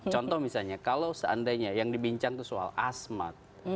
contoh misalnya kalau seandainya yang dibincang itu soal asmat